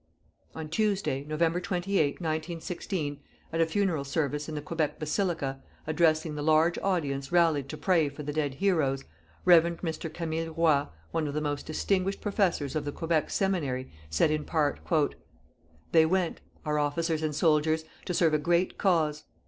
On Tuesday, November 28, 1916, at a funeral service in the Quebec Basilica, addressing the large audience rallied to pray for the dead heroes, Reverend Mr. Camille Roy, one of the most distinguished professors of the Quebec Seminary, said in part: "_They went, our officers and soldiers, to serve a great cause.